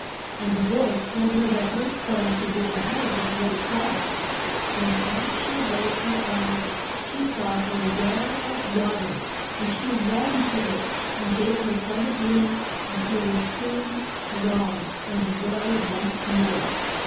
And the voice told her that her son should be the head of a great tribe. And as she raised her eyes she saw a well of wa ter, and she ran to it and gave her son a drink and he was soon strong and well once more.